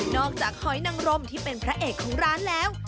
อกจากหอยนังรมที่เป็นพระเอกของร้านแล้ว